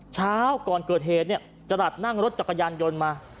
เช้าก่อนเกิดเหตุเนี่ยจรัสนั่งรถจักรยานยนต์มา